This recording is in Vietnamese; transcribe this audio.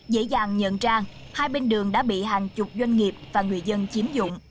dễ dàng nhận ra hai bên đường đã bị hàng chục doanh nghiệp và người dân chiếm dụng